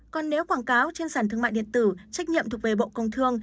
còn nếu quảng cáo trên sản thương mại điện tử trách nhiệm thuộc về bộ công thương